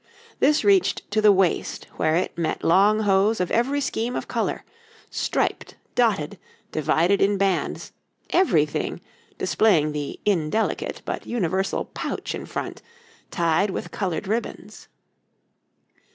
This reached to the waist where it met long hose of every scheme of colour striped, dotted, divided in bands everything displaying the indelicate but universal pouch in front, tied with coloured ribbons.